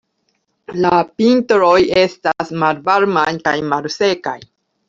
La vintroj estas malvarmaj kaj malsekaj.